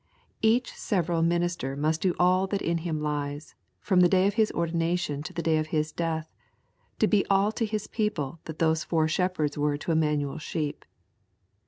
Each several minister must do all that in him lies, from the day of his ordination to the day of his death, to be all to his people that those four shepherds were to Immanuel's sheep.